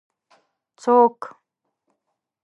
ـ څوک؟